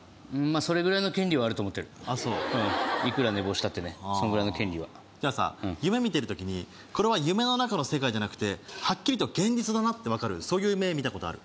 それぐらいの権利はあると思ってるあっそういくら寝坊したってねそのぐらいの権利はじゃあさ夢見てるときにこれは夢の中の世界じゃなくてはっきりと現実だなってわかるそういう夢見たことある？